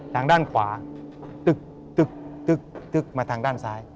ทางด้านขวาตึกมาทางด้านซ้าย